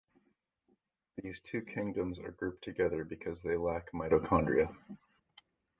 These two kingdoms are grouped together because they lack mitochondria.